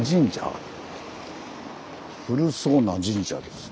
古そうな神社ですね。